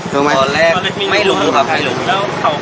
ตอนแรกไม่รู้ครับ